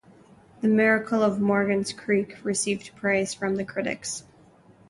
"The Miracle of Morgan's Creek" received praise from the critics.